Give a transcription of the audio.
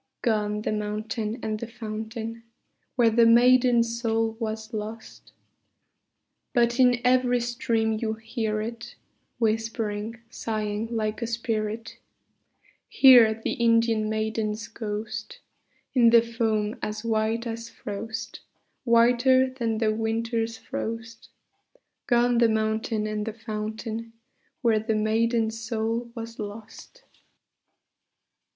Gone the mountain and the fountain Where the maiden's soul was lost: But in every stream you hear it Whispering, sighing, like a spirit, Hear the Indian maiden's ghost, In the foam as white as frost, Whiter than the winter's frost: Gone the mountain and the fountain Where the maiden's soul was lost.